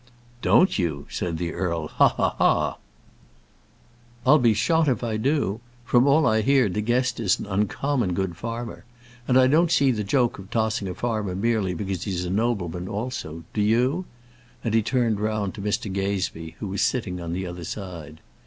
"Don't you?" said the earl. "Ha, ha, ha!" "I'll be shot if I do. From all I hear De Guest is an uncommon good farmer. And I don't see the joke of tossing a farmer merely because he's a nobleman also. Do you?" and he turned round to Mr. Gazebee, who was sitting on the other side.